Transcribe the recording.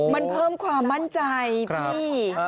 มันเพิ่มความมั่นใจพี่